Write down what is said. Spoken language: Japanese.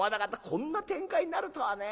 こんな展開になるとはね」。